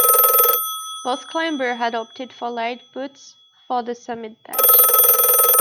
Both climbers had opted for light boots for the summit dash.